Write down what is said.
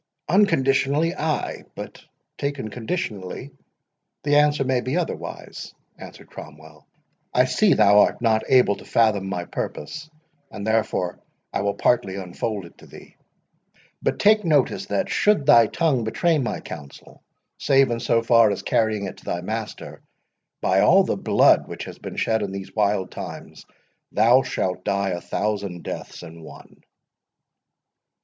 "Unconditionally, ay—but, taken conditionally, the answer may be otherwise,"—answered Cromwell. "I see thou art not able to fathom my purpose, and therefore I will partly unfold it to thee.—But take notice, that, should thy tongue betray my counsel, save in so far as carrying it to thy master, by all the blood which has been shed in these wild times, thou shalt die a thousand deaths in one!"